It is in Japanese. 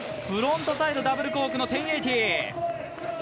フロントサイドダブルコーク１０８０。